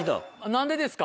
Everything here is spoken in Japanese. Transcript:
何でですか？